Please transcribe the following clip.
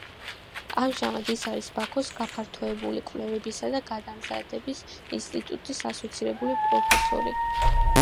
ამჟამად ის არის ბაქოს გაფართოებული კვლევებისა და გადამზადების ინსტიტუტის ასოცირებული პროფესორი.